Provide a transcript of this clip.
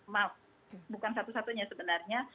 maaf bukan satu satunya sebenarnya